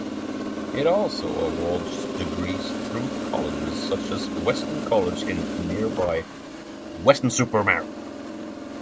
It also awards degrees through colleges such as Weston College in nearby Weston-super-Mare.